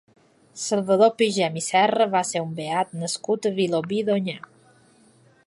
Salvador Pigem i Serra va ser un beat nascut a Vilobí d'Onyar.